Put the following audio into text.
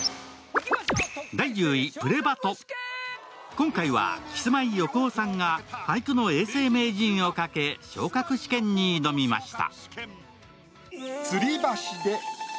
今回はキスマイ・横尾さんが俳句の永世名人をかけ、昇格試験に挑みました。